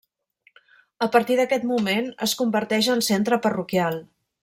A partir d'aquest moment es converteix en centre parroquial.